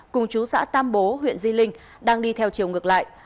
cùng chú xã tam bố huyện di linh đang đi theo chiều ngược lại